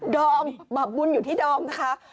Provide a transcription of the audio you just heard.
ดอมบับบุญอยู่ที่ดอมค่ะ